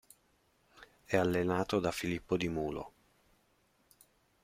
È allenato da Filippo Di Mulo.